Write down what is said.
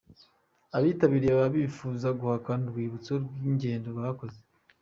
Abitabirye baba bifuza gutahana urwibutso rw’ingendo bakoze.